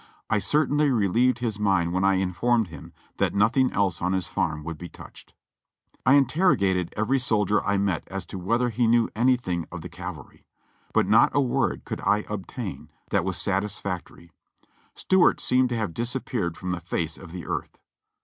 I certainly relieved his mind when I informed him that nothing else on his farm would be touched. I interrogated every soldier I met as to whether he knew any thing of the cavalry, but not a word could I obtain that was satis factory. Stuart seemed to have disappeared from the face of the earth.